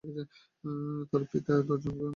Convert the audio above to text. তিনি তার পিতামাতার দশজন সন্তানের মধ্যে ষষ্ঠ।